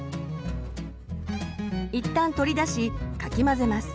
いったん取り出しかき混ぜます。